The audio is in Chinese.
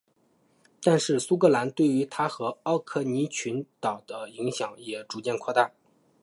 但是苏格兰对于它和奥克尼群岛的影响也逐渐扩大。